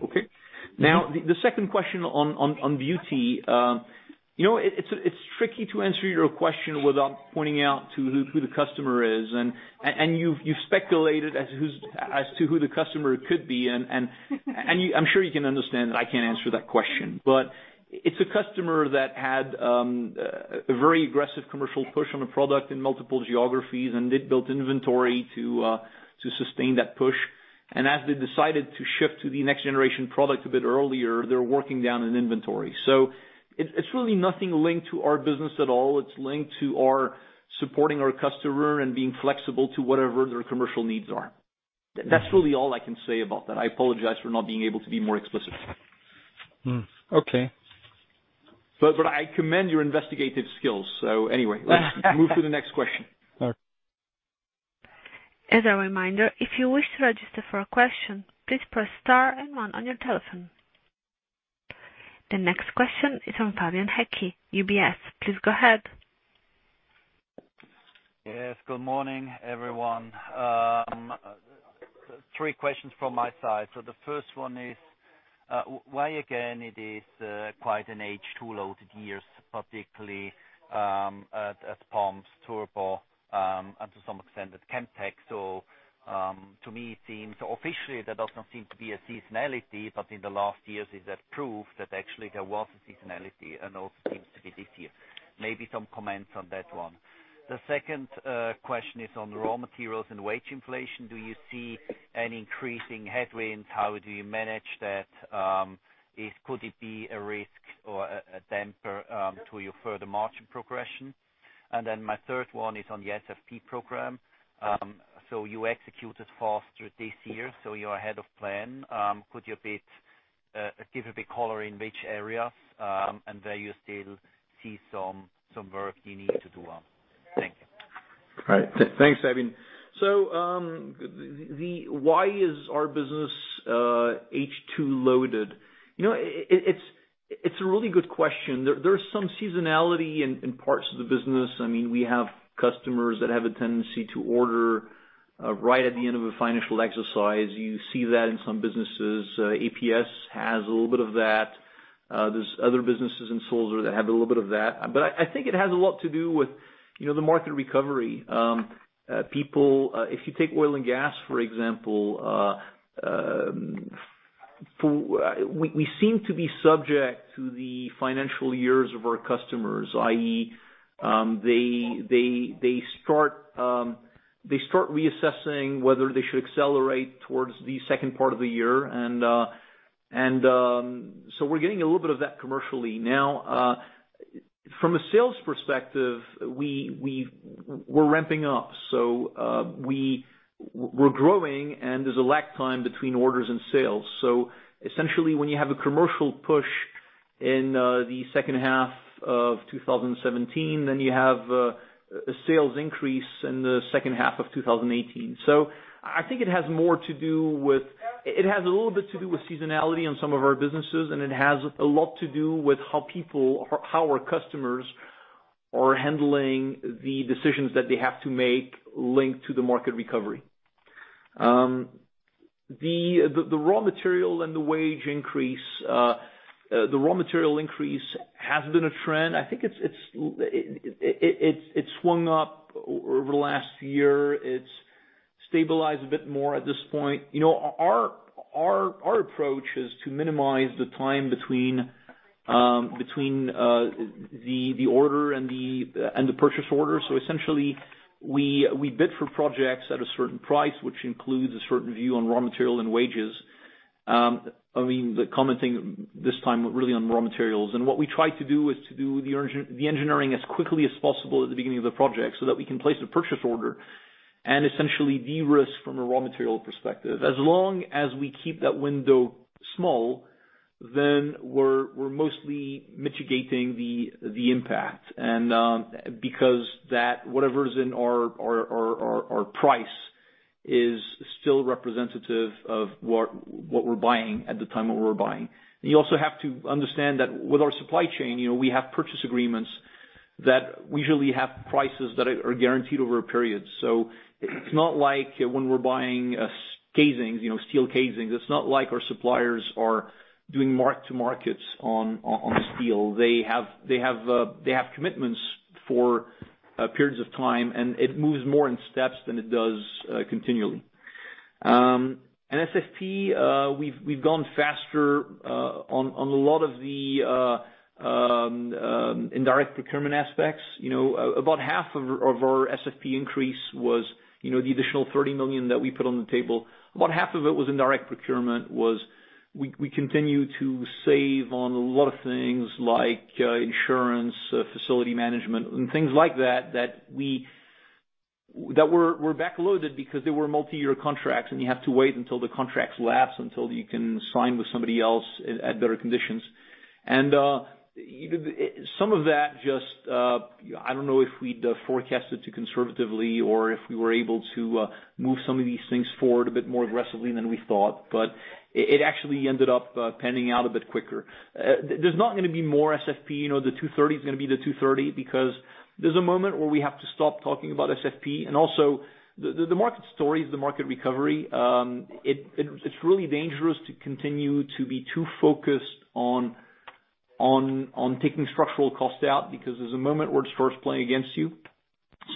The second question on beauty. It's tricky to answer your question without pointing out who the customer is, and you've speculated as to who the customer could be, and I'm sure you can understand that I can't answer that question. It's a customer that had a very aggressive commercial push on a product in multiple geographies, and it built inventory to sustain that push. As they decided to shift to the next generation product a bit earlier, they're working down in inventory. It's really nothing linked to our business at all. It's linked to our supporting our customer and being flexible to whatever their commercial needs are. That's really all I can say about that. I apologize for not being able to be more explicit. Okay. I commend your investigative skills. Anyway, let's move to the next question. All right. As a reminder, if you wish to register for a question, please press star and one on your telephone. The next question is from Fabian Haecki, UBS. Please go ahead. Yes, good morning, everyone. Three questions from my side. The first one is, why again it is quite an H2 loaded years, particularly at pumps, turbo, and to some extent at Chemtech. To me, it seems officially that doesn't seem to be a seasonality, but in the last years is that proof that actually there was a seasonality and also seems to be this year. Maybe some comments on that one. The second question is on raw materials and wage inflation. Do you see an increasing headwinds? How do you manage that? Could it be a risk or a damper to your further margin progression? My third one is on the SFP program. You executed faster this year, so you're ahead of plan. Could you give a bit color in which areas and where you still see some work you need to do on? Thank you. All right. Thanks, Fabian. Why is our business H2 loaded? It's a really good question. There's some seasonality in parts of the business. We have customers that have a tendency to order right at the end of a financial exercise. You see that in some businesses. APS has a little bit of that. There's other businesses in Sulzer that have a little bit of that. I think it has a lot to do with the market recovery. If you take oil and gas, for example, we seem to be subject to the financial years of our customers, i.e., they start reassessing whether they should accelerate towards the second part of the year and so we're getting a little bit of that commercially. Now, from a sales perspective, we're ramping up. We're growing, and there's a lag time between orders and sales. Essentially when you have a commercial push in the second half of 2017, then you have a sales increase in the second half of 2018. I think it has a little bit to do with seasonality on some of our businesses, and it has a lot to do with how our customers are handling the decisions that they have to make linked to the market recovery. The raw material and the wage increase. The raw material increase has been a trend. I think it swung up over the last year. It's stabilized a bit more at this point. Our approach is to minimize the time between the order and the purchase order. Essentially we bid for projects at a certain price, which includes a certain view on raw material and wages. The common thing this time, really on raw materials. What we try to do is to do the engineering as quickly as possible at the beginning of the project so that we can place a purchase order and essentially de-risk from a raw material perspective. As long as we keep that window small, then we're mostly mitigating the impact. Because that whatever's in our price is still representative of what we're buying at the time when we're buying. You also have to understand that with our supply chain, we have purchase agreements that usually have prices that are guaranteed over a period. It's not like when we're buying steel casings, it's not like our suppliers are doing mark to markets on steel. They have commitments for periods of time, and it moves more in steps than it does continually. SFP, we've gone faster on a lot of the indirect procurement aspects. About half of our SFP increase was the additional 30 million that we put on the table. About half of it was indirect procurement, was we continue to save on a lot of things like insurance, facility management, and things like that were backloaded because they were multi-year contracts, and you have to wait until the contracts lapse until you can sign with somebody else at better conditions. Some of that just, I don't know if we'd forecast it to conservatively or if we were able to move some of these things forward a bit more aggressively than we thought, but it actually ended up panning out a bit quicker. There's not going to be more SFP, the 230 is going to be the 230 because there's a moment where we have to stop talking about SFP. Also the market story is the market recovery. It's really dangerous to continue to be too focused on taking structural costs out because there's a moment where it starts playing against you.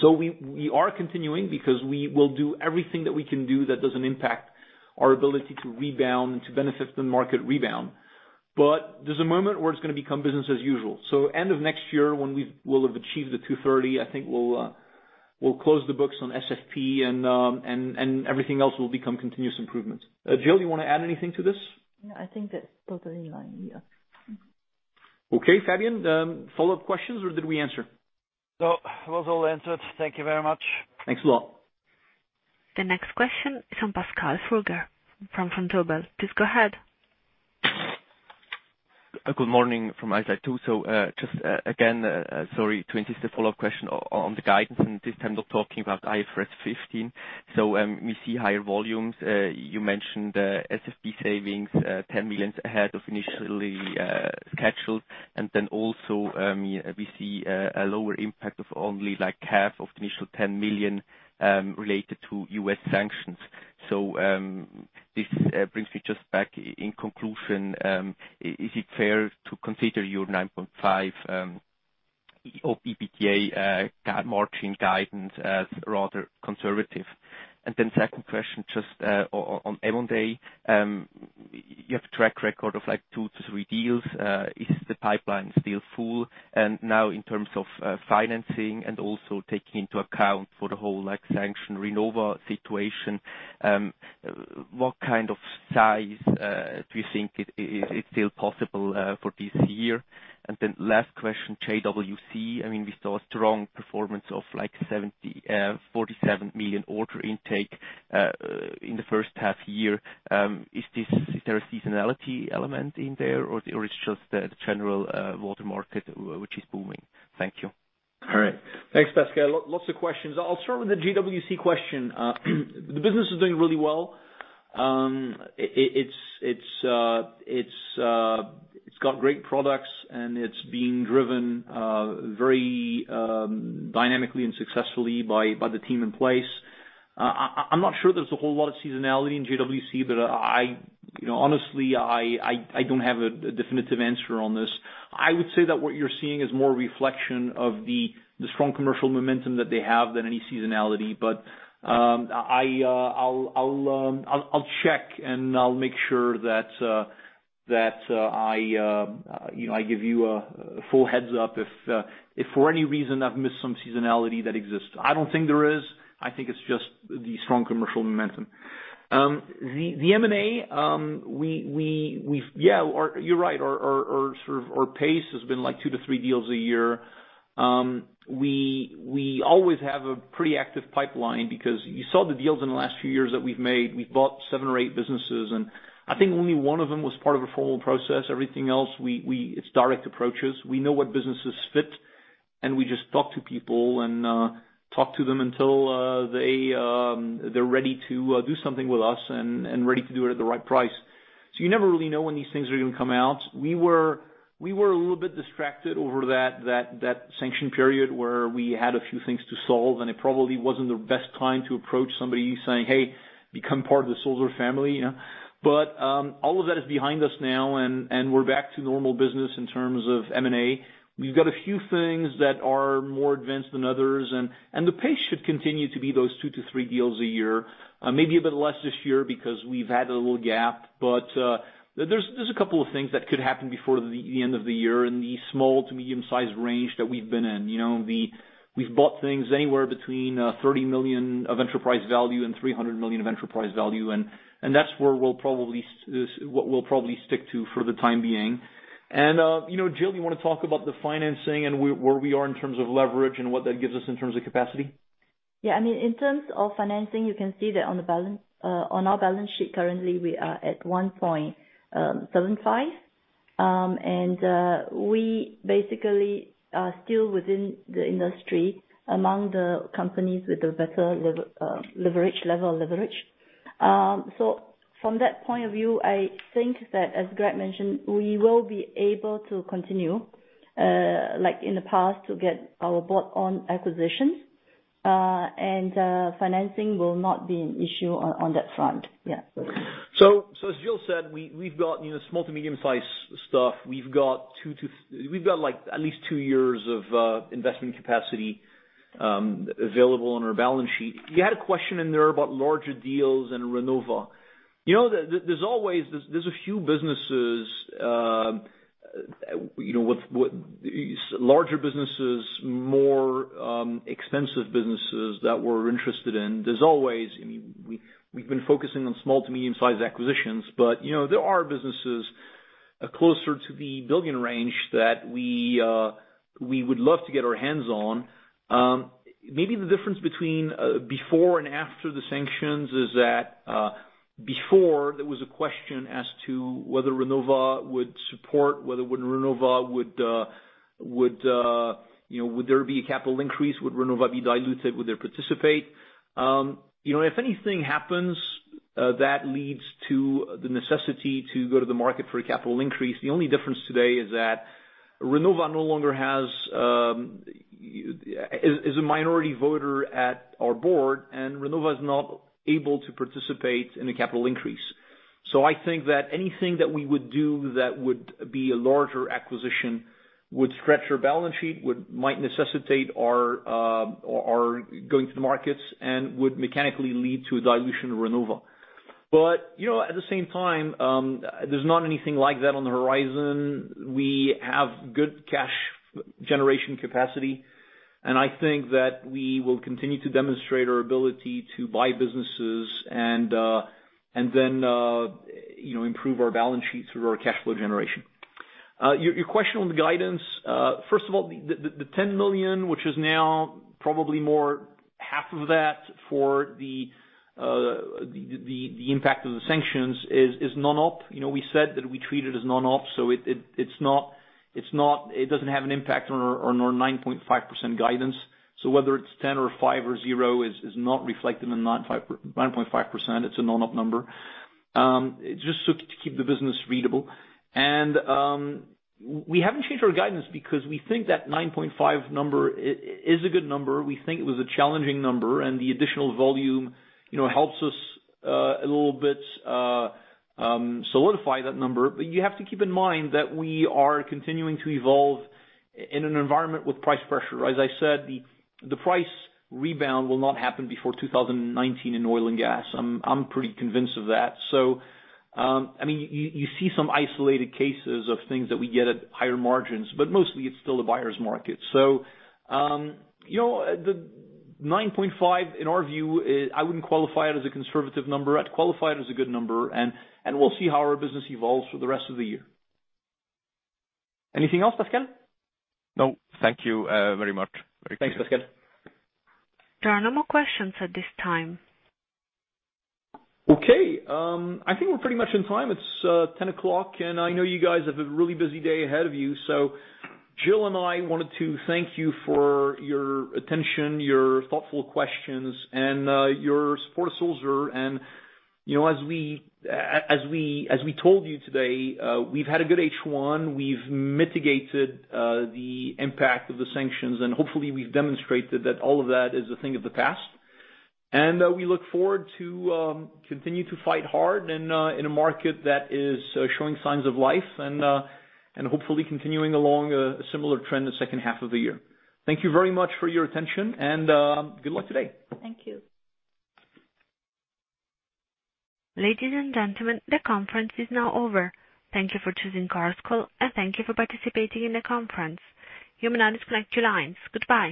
We are continuing because we will do everything that we can do that doesn't impact our ability to rebound and to benefit from market rebound. There's a moment where it's going to become business as usual. End of next year when we will have achieved the 230, I think we'll close the books on SFP and everything else will become continuous improvement. Jill, do you want to add anything to this? No, I think that's totally fine. Yeah. Okay, Fabian, follow-up questions or did we answer? No, it was all answered. Thank you very much. Thanks a lot. The next question is from Pascal Furger from Vontobel. Please go ahead. Good morning from my side too. Just again, sorry to insist, a follow-up question on the guidance and this time talking about IFRS 15. We see higher volumes. You mentioned SFP savings, 10 million ahead of initially scheduled. Also, we see a lower impact of only half of the initial 10 million related to U.S. sanctions. This brings me just back. In conclusion, is it fair to consider your 9.5% opEBITA margin guidance as rather conservative? Second question just on M&A. You have a track record of two to three deals. Is the pipeline still full? Now in terms of financing and also taking into account for the whole sanction Renova situation, what kind of size do you think is still possible for this year? Last question, JWC, I mean, we saw a strong performance of 47 million order intake in the first half year. Is there a seasonality element in there or it's just the general water market which is booming? Thank you. All right. Thanks, Pascal. Lots of questions. I'll start with the JWC question. The business is doing really well. It's got great products and it's being driven very dynamically and successfully by the team in place. I'm not sure there's a whole lot of seasonality in JWC, but honestly, I don't have a definitive answer on this. I would say that what you're seeing is more reflection of the strong commercial momentum that they have than any seasonality. I'll check and I'll make sure that I give you a full heads-up if for any reason I've missed some seasonality that exists. I don't think there is. I think it's just the strong commercial momentum. The M&A, you're right. Our pace has been two to three deals a year. We always have a pretty active pipeline because you saw the deals in the last few years that we've made. We've bought seven or eight businesses, and I think only one of them was part of a formal process. Everything else, it's direct approaches. We know what businesses fit, and we just talk to people and talk to them until they're ready to do something with us and ready to do it at the right price. You never really know when these things are going to come out. We were a little bit distracted over that sanction period where we had a few things to solve, and it probably wasn't the best time to approach somebody saying, "Hey, become part of the Sulzer family." All of that is behind us now and we're back to normal business in terms of M&A. We've got a few things that are more advanced than others, and the pace should continue to be those two to three deals a year. Maybe a bit less this year because we've had a little gap. There's a couple of things that could happen before the end of the year in the small to medium size range that we've been in. We've bought things anywhere between 30 million of enterprise value and 300 million of enterprise value, and that's what we'll probably stick to for the time being. Jill, you want to talk about the financing and where we are in terms of leverage and what that gives us in terms of capacity? Yeah, I mean, in terms of financing, you can see that on our balance sheet currently we are at 1.75. We basically are still within the industry among the companies with a better level of leverage. From that point of view, I think that as Greg mentioned, we will be able to continue, like in the past to get our bolt-on acquisitions. Financing will not be an issue on that front. As Jill said, we've got small to medium size stuff. We've got at least two years of investment capacity available on our balance sheet. You had a question in there about larger deals and Renova. There's a few businesses, larger businesses, more extensive businesses that we're interested in. There's always, we've been focusing on small to medium size acquisitions, but there are businesses closer to the 1 billion range that we would love to get our hands on. Maybe the difference between before and after the sanctions is that before there was a question as to whether Renova would support, whether Renova would there be a capital increase? Would Renova be diluted? Would they participate? If anything happens that leads to the necessity to go to the market for a capital increase, the only difference today is that Renova no longer is a minority voter at our board, and Renova is not able to participate in a capital increase. I think that anything that we would do that would be a larger acquisition would stretch our balance sheet, might necessitate our going to the markets, and would mechanically lead to a dilution of Renova. At the same time, there's not anything like that on the horizon. We have good cash generation capacity, and I think that we will continue to demonstrate our ability to buy businesses and then improve our balance sheet through our cash flow generation. Your question on the guidance. First of all, the 10 million, which is now probably more half of that for the impact of the sanctions is non-op. We said that we treat it as non-op, it doesn't have an impact on our 9.5% guidance. Whether it's 10 or five or zero is not reflected in the 9.5%. It's a non-op number to keep the business readable. We haven't changed our guidance because we think that 9.5 number is a good number. We think it was a challenging number, and the additional volume helps us a little bit solidify that number. You have to keep in mind that we are continuing to evolve in an environment with price pressure. As I said, the price rebound will not happen before 2019 in oil and gas. I'm pretty convinced of that. You see some isolated cases of things that we get at higher margins, mostly it's still a buyer's market. The 9.5, in our view, I wouldn't qualify it as a conservative number. I'd qualify it as a good number, and we'll see how our business evolves for the rest of the year. Anything else, Pascal? No. Thank you very much. Thanks, Pascal. There are no more questions at this time. Okay. I think we're pretty much on time. It's 10 o'clock. I know you guys have a really busy day ahead of you. Jill and I wanted to thank you for your attention, your thoughtful questions, and your support of Sulzer. As we told you today, we've had a good H1, we've mitigated the impact of the sanctions, and hopefully, we've demonstrated that all of that is a thing of the past. We look forward to continue to fight hard in a market that is showing signs of life and hopefully continuing along a similar trend the second half of the year. Thank you very much for your attention and good luck today. Thank you. Ladies and gentlemen, the conference is now over. Thank you for choosing Chorus Call, and thank you for participating in the conference. You may now disconnect your lines. Goodbye.